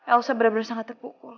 elsa benar benar sangat terpukul